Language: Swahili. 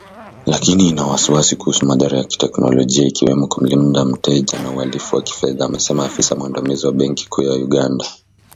Lakini ina wasiwasi kuhusu madhara ya kiteknolojia ikiwemo kumlinda mteja, na uhalifu wa kifedha, amesema afisa mwandamizi wa benki kuu ya Uganda